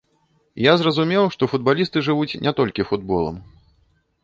Я зразумеў, што футбалісты жывуць не толькі футболам.